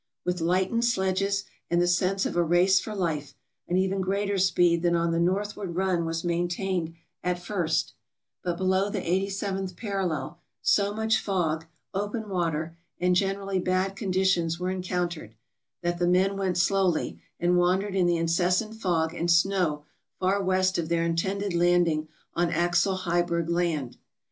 With lightened sledges, and the sense of a race for life, an even greater speed than on the northward run was main 474 TRAVELERS AND EXPLORERS tained at first, but below the 87th parallel so much fog, open water, and generally bad conditions were encountered, that the men went slowly, and wandered in the incessant fog and snow far west of their intended landing on Axel Heiberg Land.